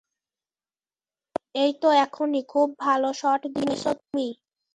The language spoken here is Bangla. এইত এখনি, খুব ভাল শট দিয়েছ তুমি।